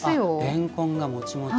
れんこんがもちもち？